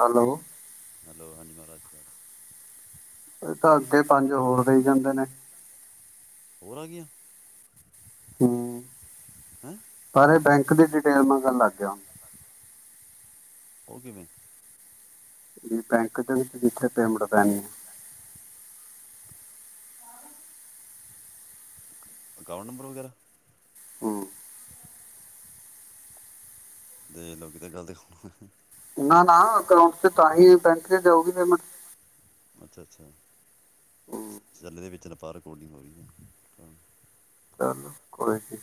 Hello hello ਹਾਂਜੀ ਮਹਾਰਾਜਗੜ ਇਹ ਤਾਂ ਅੱਗੇ ਪੰਜ ਹੋਰ ਦੇਈ ਜਾਂਦੇ ਨੇ ਹੋਰ ਆ ਗਆਂ ਹਮ ਪਰਾਰੇ ਬੈਂਕ ਦੀ ਡਿਟੇਲ ਮੈਂ ਗੱਲ ਲੱ ਗਿਆ ਓ ਕਿ ਮੈਂ ਬੈਂਕ ਚ ਜਿੱਥੇ ਪੇਮੈਂਟ ਪੈਣੀ ਅਕਾਊਂਟ ਨੰਬਰ ਵਗੈਰਾ ਹਮ ਤੇ ਲੋਕੀ ਤੇ ਗੱਲ ਤੇਖਣ ਉਹਨਾ ਨਾ ਅਕਾਊਂਟ ਚ ਤਾਂ ਹੀ ਬੈਂਕ ਚ ਜਾਊਗੀ ਅੱਛਾ ਅੱਛਾ ਹਮ ਦੇ ਵਿੱਚ ਤਾਂਪ ਰਿਕੋਡਿੰਗ ਹੋ ਰਹੀ ਹੈ ਚੱਲ ਕੋ ਜ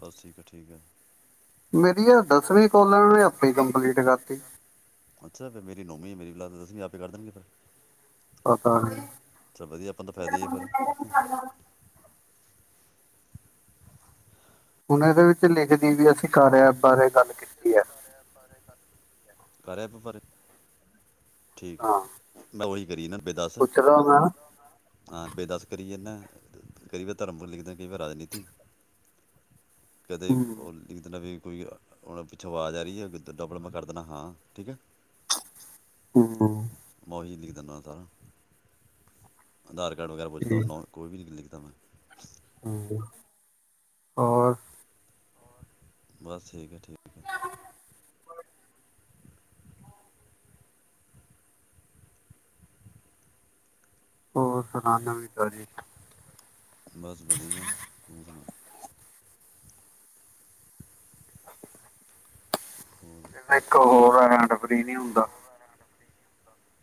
ਬਸ ਠੀਕ ਆ ਠੀਕ ਆ। ਮੇਰੀ ਆ ਦਸਵੀ ਕੋਲਾਂ ਨੇ ਅਪਣੀ ਕੰਪਲੀਟ ਕਰਤੀ। ਅੱਛਾ, ਫੇਰ ਮੇਰੀ ਨੌਵੀ ਮੇਰੀ ਲ ਤਾਂ ਦਸਵੀ ਆਪੇ ਕਰ ਦੇਣਗੇ ਫੇਰ ਪਤਾ ਨਹੀਂ ਚਾ ਵਧੀਆ ਆਪਾਂ ਤਾਂ ਫਾਇਦੇ ਹੀ ਫੇ ਹੁਣ ਇਦੇ ਵਿੱਚ ਲਿਖਦੀ ਵੀ ਅਸੀਂ ਕਾਰਿਆ ਏਪ ਬਾਰੇ ਗੱਲ ਕੀਤੀ ਐ। ਕਾਰਯ ਏਪ ਬਾਰੇ। ਠੀਕ ਐ, ਹਾਂ ਮੈ ਓਹੀ ਕਰੀ ਨਨ ਪੇ ਦੱਸ ਪੁੱਛਦਾ ਮੈਂ ਹਾਂ ਪੇ ਦੱਸ ਕਰੀਏ ਏਨਾ, ਕਈ ਵਾ ਧਰਮ ਵਲ ਲਿਖਦਾ, ਕਈ ਵਾਰ ਰਾਜਨੀਤੀ। ਕਦੇ ਹੂੰ ਓ ਲਿਖ ਦੇਨਾ ਵੀ ਕੋਈ, ਹੁਣ ਪਿਛੋ ਆਵਾਜ ਆ ਰਹੀ ਐ ਆ ਡਬਲ ਮੈ ਕਰ ਦੇਨਾ ਹਾਂ, ਠੀਕ ਐ। [unintelligible] ਓਹੀ ਲਿਖ ਦਨਾ ਸਾਰਾ ਆਧਾਰ ਕਾਰਡ ਵਗੈਰਾ ਪੁੱਛਦਾ ਠੀਕ ਨਾ ਓ ਕੋਈ ਵੀ ਨਈ ਲਿਖ ਦਾ ਮੈ। ਹੂੰ ਹੋਰ ਬਸ ਠੀਕ ਐ ਠੀਕ ਹੋਰ ਸੁਣਾ ਨਵੀ ਤਾਜੀ ਬਸ ਵਧੀਆ ਤੂੰ ਸੁਣਾ ਹੋਰ ਇਹ ਘਰ ਇੱਕ ਠੀਕ ਹੈ ਸਭ ਹੋਰ ਹੈਂਡ ਫਰੀ ਨੀ ਹੁੰਦਾ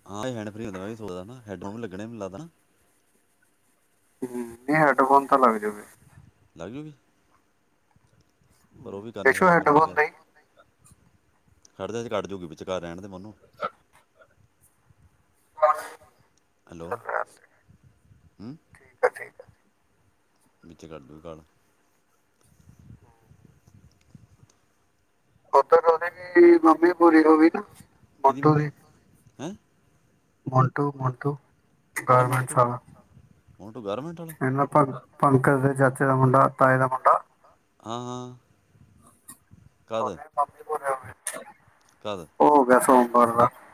ਹਾਂ ਏ ਹੈਂਡ ਫਰੀ ਹੁੰਦਾ ਮੈਂ ਸੋਚਦਾ ਹਨਾਂ ਹੈੱਡ ਫੋਨ ਵੀ ਲੱਗਣੇ ਮੈਨੂੰ ਲੱਗਦਾ ਹਨਾਂ ਹੂੰ ਨਈ ਹੈੱਡ ਫੋਨ ਤਾਂ ਲੱਗ ਜੂ ਗੇ ਲਗਜੁਗੀ ਪਰ ਉਹ ਵੀ ਕਰਨ ਜਸ਼ੂ ਖ਼ਰਾਬ ਕਰਨ ਹੈੱਡਫੋਨ ਦੇ [unintelligible] ਖੜਜਾ ਹਜੇ ਕੱਟ ਜੁਗੀ ਵਿਚਕਾਰ ਰਹਿਣ ਦੇ ਮਨੂੰ [unintelligible] ਚੱਲ ਹੈਲੋ ਰਹਿਣ ਦੇ ਹੂੰ ਠੀਕ ਹੈ ਠੀਕ ਵਿਚੇ ਕਟਜੂ ਗੀ ਕਾਲ ਓਧਰ ਉਹਦੇ ਵੀ ਮੰਮੀ ਪੂਰੀ ਹੋਗੀ ਨਾ ਕਿਦੀ ਮੰਮੀ ਹੈਂ ਮੌਂਟੂ-ਮੌਂਟੂ ਕਿਹੜਾ ਗਾਰਮੈਂਟਸ ਮੋਂਟੂ ਆਲਾ ਮੋਂਟੂ ਗਾਰਮੈਂਟ ਵਾਲਾ ਇਹਨਾ [unintelligible] ਪੰਕਜ ਦੇ ਚੱਚੇ ਦਾ ਮੁੰਡਾ ਤਾਏ ਦਾ ਮੁੰਡਾ ਹਾਂ ਹਾਂ ਕਦ ਓਹਦੇ ਮੰਮੀ ਪੂਰੇ ਹੋਗੇ ਕਦ [inaudible] ਹੋ ਗਿਆ ਸੋ [unintelligible]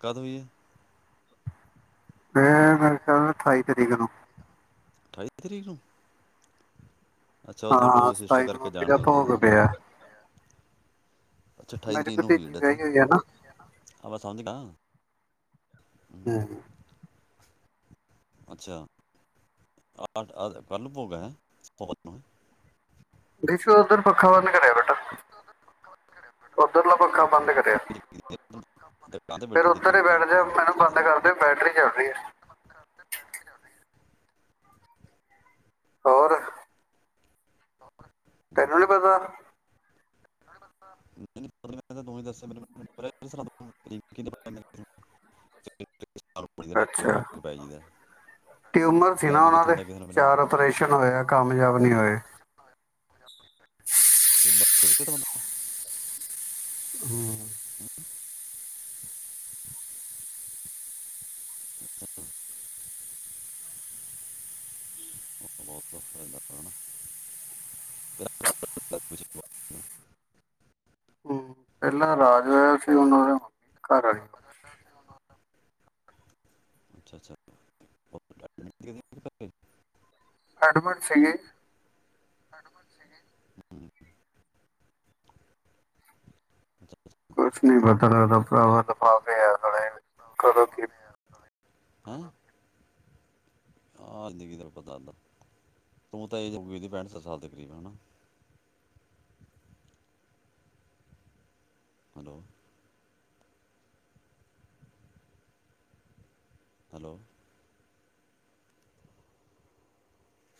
ਕਦ ਹੋਈ ਐ ਇਹ ਮੇਰਾ ਖਿਆਲ ਅਠਾਈ ਤਰੀਕ ਨੂੰ ਅਠਾਈ ਤਰੀਕ ਨੂੰ ਅੱਛਾ ਉਹ ਤੁਹਾਡੇ ਹਾਂ ਉਹ ਸਿਸਟਰ ਸਤਾਈ ਨੂੰ ਕਰਕੇ ਮੰਮੀ ਜਾਣ ਦਾ ਦੇਣਾ ਭੋਗ ਹਨਾ ਪਿਆ ਅੱਛਾ ਅਠਾਈ ਮੇਰੀ ਤਰੀਕ ਨੂੰ ਹੋਈ ਐ ਭਤੀਜੀ ਡੈਥ ਹਾਂ ਵਿਆਹੀ ਹੋਈ ਹੈ ਨਾ ਮੈਂ ਸਮਝ ਗਿਆ ਹੂੰ, [unintelligible] ਅੱਛਾ ਅ ਕਾਲੂ ਭੋਗ ਐ [unintelligible] ਬਿਸ਼ੂ ਓਧਰ ਪੱਖਾ ਬੰਦ ਕਰਿਆ ਬੇਟਾ ਉੱਧਰਲਾ ਪੱਖਾ ਬੰਦ ਕਰਿਆ ਦੁਕਾਨ ਤੇ ਫੇਰ ਬੈਠੀ ਦੇਖੀ ਉੱਧਰ ਹੀ ਮੈਨੂੰ ਬੈਠ ਜਾ ਲੱਗਦਾ ਮੈਨੂੰ ਬੰਦ ਸ਼ਾਇਦ ਕਰ ਨਾ ਦਿਓ ਬੈਟਰੀ ਚੱਲ ਰਹੀ ਹੈ ਹੋਰ ਤੈਨੂੰ ਨੀ ਪਤਾ ਨਹੀਂ ਦੂੰ ਦੱਸਿਆ ਮੈ ਕਿ ਅੱਛਾ ਟਿਊਮਰ ਸੀ ਟਾਈਮ ਨਾ ਹੀ ਉਹਨਾਂ ਕਿੱਥੋਂ ਦੇ ਹੁੰਦਾ ਕਿਸੇ ਨੂੰ ਮਿਲਣ ਦਾ ਚਾਰ ਓਪਰੇਸ਼ਨ ਹੋਏ ਕਾਮਯਾਬ ਨੀ ਹੋਏ ਬ ਸਿਰ ਤੇ ਤਾਂ ਬੰਦਾ ਹਮ ਹਮ ਬੰਦਾ ਬਹੁਤ ਔਖਾ ਏਦਾਾਂ ਕਾਰ ਹਮ, ਪਹਿਲਾਂ ਰਾਜ ਹੋਇਆ ਸੀ ਉਹਨਾਂ ਦੀ ਮੰਮੀ ਘਰੀ ਹੋਈ ਸੀ ਅੱਛਾ ਅੱਛਾ ਐਡਮਣ ਸੀਗੇ ਹਡਮ ਸ ਜ ਕੁਛ ਨੀ ਪਤਾ ਲੱਗਦਾ ਭਰਾਵਾ ਦ ਪਾਾਵੇ ਕਦੋਂ ਕਿ ਹੈਂ ਆਹਦਗੀ ਦਾ ਪਤਾਦਾ ਤੂੰ ਤਾਂ ਇਹਦੀ ਪੈਂਠ ਸੱਤ ਸਾਲ ਦੇ ਕਰੀਬ ਹਨਾ ਹੈਲੋ ਹੈਲੋ